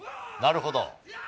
なるほど。